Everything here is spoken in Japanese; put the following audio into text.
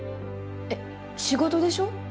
えっ仕事でしょ？